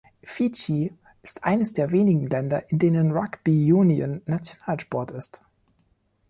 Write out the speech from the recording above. Fidschi ist eines der wenigen Länder, in denen Rugby Union Nationalsport ist.